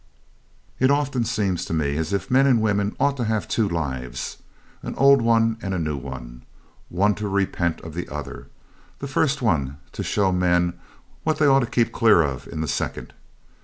It often seems to me as if men and women ought to have two lives an old one and a new one one to repent of the other; the first one to show men what they ought to keep clear of in the second.